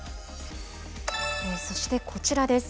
そしてこちらです。